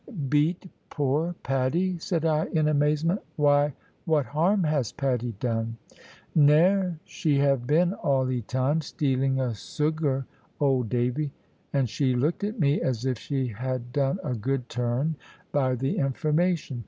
"Beat poor Patty!" said I, in amazement. "Why, what harm has Patty done?" "Nare she have been, all 'e time, stealing 'a soogar, old Davy!" And she looked at me as if she had done a good turn by the information.